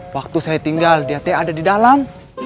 waktu saya tinggal dia teh ada di dalam